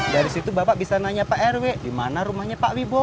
dari situ bapak bisa nanya pak rw di mana rumahnya pak wibowo